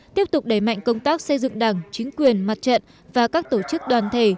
tiếp tục đẩy mạnh công tác xây dựng đảng chính quyền mặt trận và các tổ chức đoàn thể